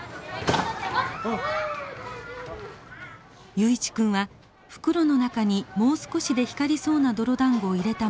雄一君は袋の中にもう少しで光りそうな泥だんごを入れたまま転んでしまいました。